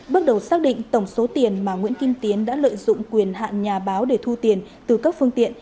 bước đầu xác định tổng số tiền mà nguyễn kim tiến đã lợi dụng quyền hạn nhà báo để thu tiền từ các phương tiện